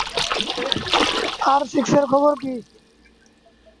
আর সিক্সের খবর কী?